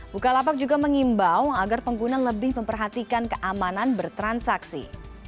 bukalapak juga mengimbau agar pengguna lebih memperhatikan keamanan bertransaksi